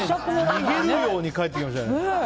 逃げるように帰っていきましたね。